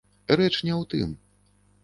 Рэч не ў тым.